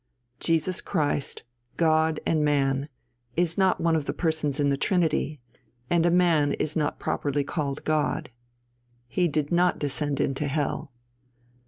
Jesus Christ, God and Man, is not one of the Persons in the Trinity, and a man is not properly called God. He did not descend into hell.